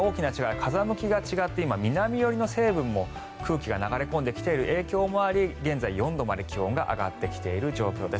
風向きが違って今、南寄りの空気が流れ込んできている影響もあり現在、４度まで気温が上がってきている状況です。